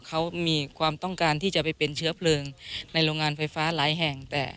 เขามีความต้องการที่จะไปเป็นเชื้อเพลิงในโรงงานไฟฟ้าหลายแห่งแต่